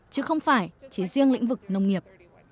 chứ không phải chỉ riêng lĩnh vực nông nghiệp